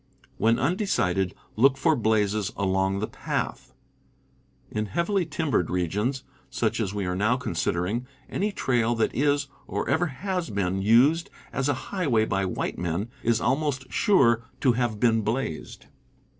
When undecided, look for blazes along the path. In heavily timbered regions, such as we are now considering, any trail that is, or ever has been, used as a highway by white men is al most sure to have been blazed.